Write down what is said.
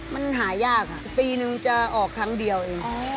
มันหายากปีนึงจะออกครั้งเดียวเอง